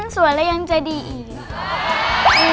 สวยแล้วยังใจดีอีก